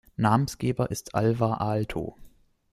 Namensgeber ist Alvar Aalto.